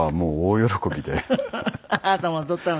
あなたも踊ったの？